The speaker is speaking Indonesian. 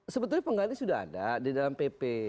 sebetulnya pengganti sudah ada di dalam pp